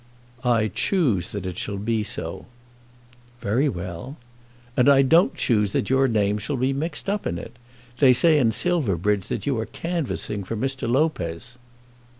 "I choose that it shall be so." "Very well." "And I don't choose that your name shall be mixed up in it. They say in Silverbridge that you are canvassing for Mr. Lopez."